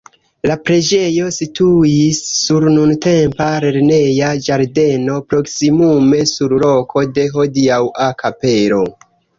La preĝejo situis sur nuntempa lerneja ĝardeno, proksimume sur loko de hodiaŭa kapelo.